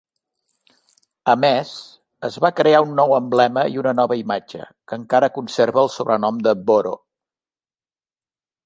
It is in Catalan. A més, es va crear un nou emblema i una nova imatge que encara conserva el sobrenom de Boro.